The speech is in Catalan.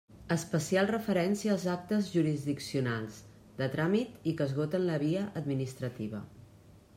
Especial referència als actes jurisdiccionals, de tràmit i que esgoten la via administrativa.